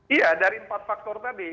iya dari empat faktor tadi